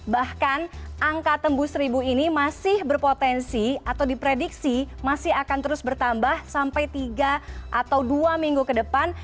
bahkan angka tembus seribu ini masih berpotensi atau diprediksi masih akan terus bertambah sampai tiga atau dua minggu ke depan